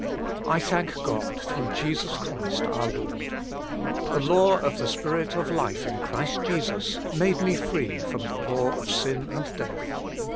I thank God through Jesus Christ our Lord. The law of the Spirit of life in Christ Jesus made me free from the law of sin and death."